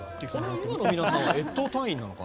今の皆さんは越冬隊員なのかな？